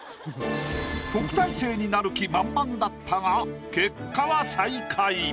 特待生になる気満々だったが結果は最下位。